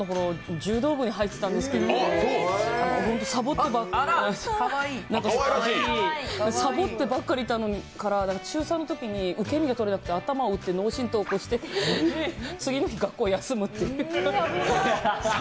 柔道部に入ってたんですけど、サボってばかりいたから中３のときに受け身をとれなくて頭を打って脳震とうを起こして、次の日、学校を休むっていう。